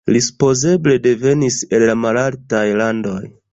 Li supozeble devenis el la Malaltaj Landoj.